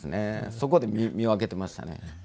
そこで見分けていましたね。